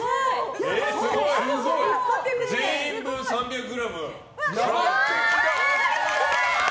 全員分３００ｇ。